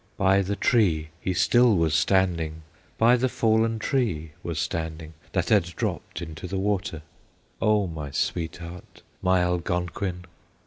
"By the tree he still was standing, By the fallen tree was standing, That had dropped into the water, O my sweetheart, my Algonquin!